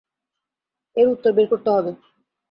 এর উত্তর বের করতে হবে।